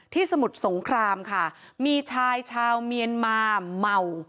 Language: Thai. สมุทรสงครามค่ะมีชายชาวเมียนมาเมา